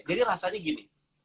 jadi rasanya gini